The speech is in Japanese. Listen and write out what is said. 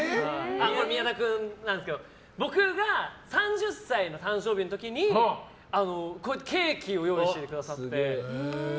宮田君なんですけど僕が３０歳の誕生日の時にケーキを用意してくださって。